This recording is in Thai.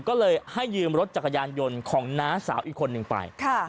ก็เลยให้ยืมรถจักรยานยนต์ของน้าสาวอีกคนนึงไป